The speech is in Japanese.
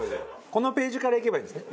このページからいけばいいんですね。